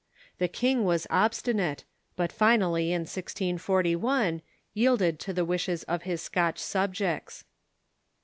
The king was obstinate, but iinally, in 1G41, yielded to the wishes of his Scotch subjects.